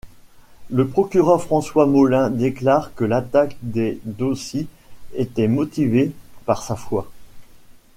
Le procureur François Molins déclare que l'attaque de Dhaussy était motivée par sa foi.